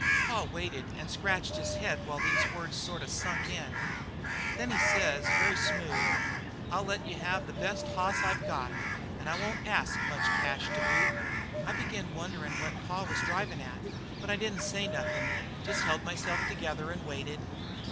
"Pa waited and scratched his head while these here words sort of sunk in. Then says very smooth: 'I'll let you take the best hoss I've got, an' I won't ask much cash to boot.' "I begin wonderin' what pa was drivin' at, but I didn't say nothin' jest held myself together and waited.